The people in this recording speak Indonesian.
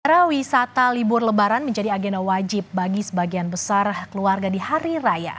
era wisata libur lebaran menjadi agenda wajib bagi sebagian besar keluarga di hari raya